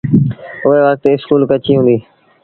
اُئي وکت اُ اسڪول ڪچيٚ هُݩدي۔